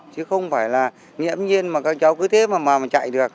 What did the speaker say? chứ không phải là nhiễm nhiên mà các cháu cứ thế mà mà chạy được